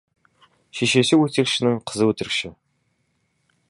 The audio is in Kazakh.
Шешесі өсекшінің — қызы өтірікші.